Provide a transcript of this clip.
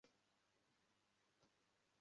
Abantu bicaye kumeza basangira ibirahuri byabo